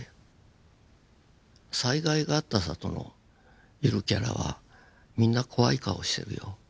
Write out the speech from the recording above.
災害があった里のゆるキャラはみんな怖い顔をしてるよ。